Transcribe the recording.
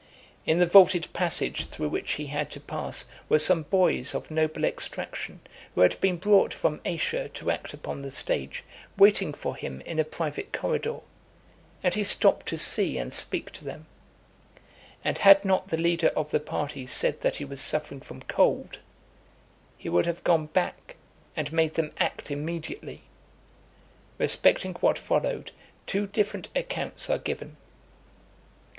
In the vaulted passage through which he had to pass, were some boys of noble extraction, who had been brought from Asia to act upon the stage, waiting for him in a private corridor, and he stopped to see and speak to them; and had not the leader of the party said that he was suffering from cold, he would have gone back, and made them act immediately. Respecting what followed, (291) two different accounts are given.